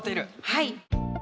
はい。